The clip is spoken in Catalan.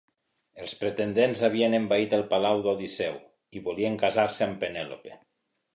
Els pretendents havien envaït el palau d'Odisseu i volien casar-se amb Penèlope.